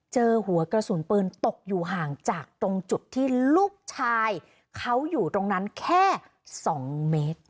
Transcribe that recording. เจอหัวกระสุนปืนตกอยู่ห่างจากตรงจุดที่ลูกชายเขาอยู่ตรงนั้นแค่๒เมตร